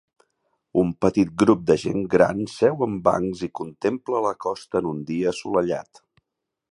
Un petit grup de gent gran seu en bancs i contempla la costa en un dia assolellat.